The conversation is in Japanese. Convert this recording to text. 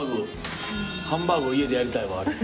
ハンバーグ家でやりたいわあれ。